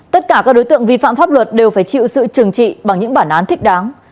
tất cả các đối tượng vi phạm pháp luật đều phải chịu sự trừng trị bằng những bản án thích đáng